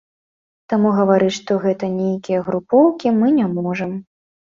Таму гаварыць, што гэта нейкія групоўкі, мы не можам.